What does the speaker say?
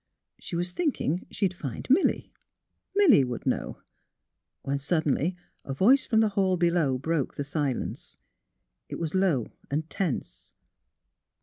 She was thinking she would find Milly ; Milly would know ; when, suddenly, a voice from the hall below broke the silence. It was low and tense.